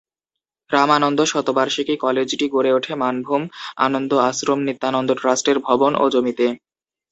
রামানন্দ শতবার্ষিকী কলেজটি গড়ে ওঠে মানভূম আনন্দ আশ্রম নিত্যানন্দ ট্রাস্টের ভবন ও জমিতে।